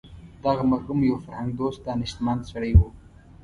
دغه مرحوم یو فرهنګ دوست دانشمند سړی و.